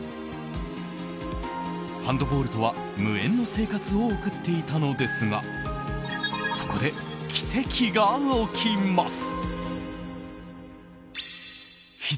ハンドボールとは無縁の生活を送っていたのですがそこで奇跡が起きます。